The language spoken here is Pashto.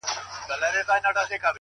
پوه انسان له اورېدو هم زده کوي!